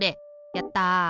やった！